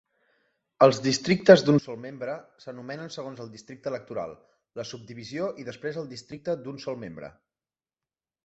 Els districtes d'un sol membre s'anomenen segons el districte electoral, la subdivisió i després el districte d'un sol membre.